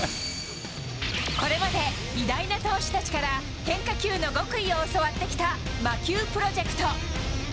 これまで偉大な投手たちから変化球の極意を教わってきた魔球プロジェクト。